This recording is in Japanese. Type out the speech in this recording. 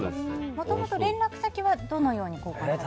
もともと連絡先はどのように交換されたんですか。